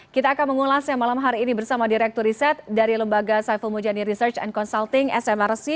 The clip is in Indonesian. kita akan mengulasnya malam hari ini bersama direktur riset dari lembaga saiful mujani research and consulting smrc